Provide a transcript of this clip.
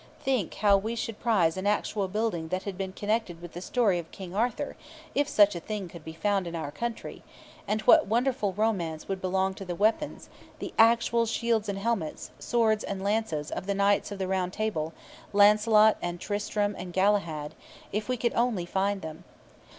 Think how we should prize an actual building that had been connected with the story of King Arthur, if such a thing could be found in our country, and what wonderful romance would belong to the weapons, the actual shields and helmets, swords and lances, of the Knights of the Round Table, Lancelot and Tristram and Galahad if only we could find them.